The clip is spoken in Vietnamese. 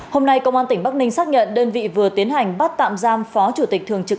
hôm nay công an tỉnh bắc ninh xác nhận đơn vị vừa tiến hành bắt tạm giam phó chủ tịch thường trực